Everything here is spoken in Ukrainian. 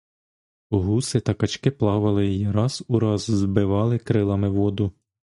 Гуси та качки плавали й раз у раз збивали крилами воду.